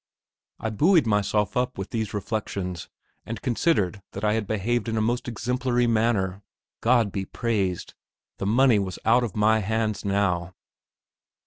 I buoyed myself up with these reflections and considered that I had behaved in a most exemplary manner. God be praised! The money was out of my hands now!